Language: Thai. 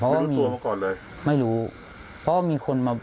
ประมาณ๕นาทีค่ะ